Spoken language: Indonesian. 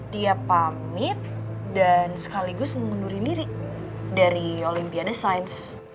dia pamit dan sekaligus ngundurin diri dari olympianess science